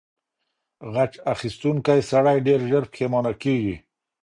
غچ اخیستونکی سړی ډیر ژر پښیمانه کیږي.